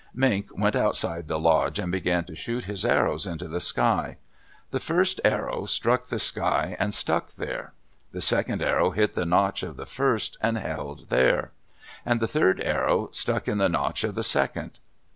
Mink went outside the lodge and began to shoot his arrows into the sky. The first arrow struck the sky and stuck there. The second arrow hit the notch of the first, and held there; and the third arrow stuck in the notch of the second.